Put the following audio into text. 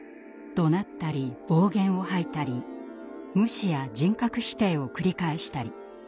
怒鳴ったり暴言を吐いたり無視や人格否定を繰り返したり。